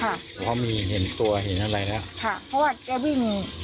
เพราะเขามีเห็นตัวเห็นอะไรแล้วค่ะเพราะว่าแกวิ่ง